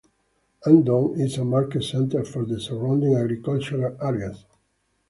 Andong is a market centre for the surrounding agricultural areas.